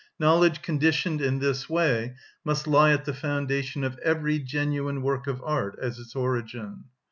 Knowledge conditioned in this way must lie at the foundation of every genuine work of art as its origin.